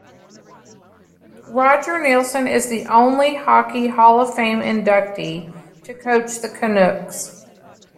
Roger Neilson is the only Hockey Hall of Fame inductee to coach the Canucks.